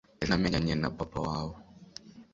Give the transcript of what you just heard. ejo namenyanye na papa wawe